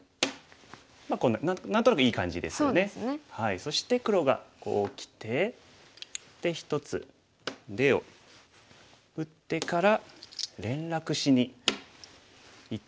そして黒がこうきてで１つ出を打ってから連絡しにいったところですね。